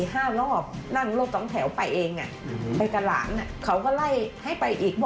แล้วก็บ้านลูกสาวไปรอบเขาก็ไล่อย่างเดียว